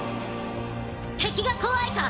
敵が怖いか？